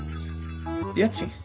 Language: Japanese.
家賃？